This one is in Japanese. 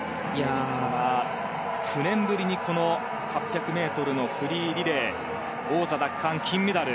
９年ぶりに８００ｍのフリーリレー王座奪還、金メダル。